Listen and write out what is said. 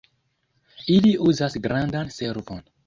ili uzas grandan servon